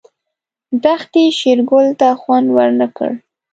دښتې شېرګل ته خوند ورنه کړ.